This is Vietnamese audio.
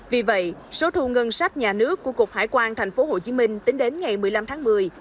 vì vậy số thu ngân sách nhà nước của cục hải quan tp hcm tính đến ngày một mươi năm tháng một mươi